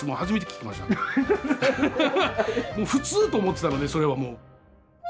子は宝普通と思ってたのでそれはもう。